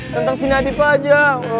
tentang si nadif aja